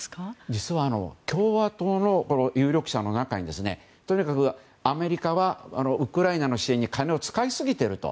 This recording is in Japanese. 実は共和党の有力者の中にアメリカはウクライナの支援に金を使いすぎていると。